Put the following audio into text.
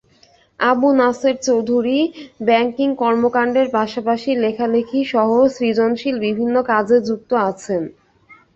Abu Naser Chowdhury banking কর্মকাণ্ডের পাশাপাশি লেখালেখিসহ সৃজনশীল বিভিন্ন কাজে যুক্ত আছেন।